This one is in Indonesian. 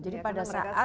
jadi pada saat